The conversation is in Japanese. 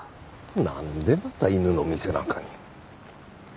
なんでまた犬の店なんかに。